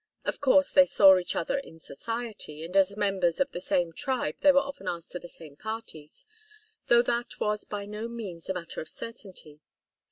Of course they saw each other in society, and as members of the same tribe they were often asked to the same parties, though that was by no means a matter of certainty.